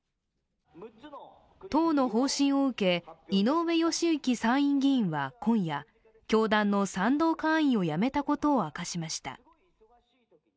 党の方針を受け井上義行参院議員は今夜、教団の賛同会員を辞めたことを明かしました。